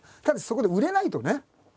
ただそこで売れないとね。